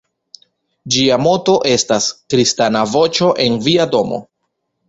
Ĝia moto estas: "Kristana voĉo en via domo".